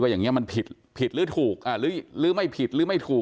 อย่างนี้มันผิดผิดหรือถูกหรือไม่ผิดหรือไม่ถูก